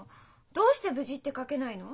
どうして「無事」って書けないの？